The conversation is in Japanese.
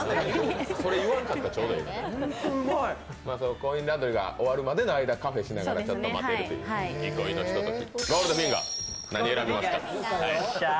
コインランドリーが終わるまでの間カフェしながら待ってるという憩いのひととき。